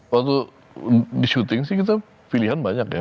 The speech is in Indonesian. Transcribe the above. waktu di syuting sih kita pilihan banyak ya